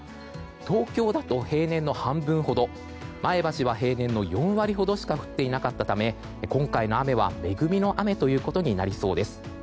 東京だと平年の半分ほど前橋は平年の４割ほどしか降っていなかったため今回の雨は恵みの雨ということになりそうです。